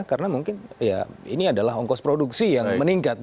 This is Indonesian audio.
karena mungkin ini adalah ongkos produksi yang meningkat